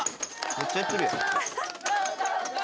めっちゃやってるやん。